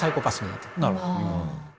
なるほど。